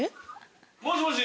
もしもし。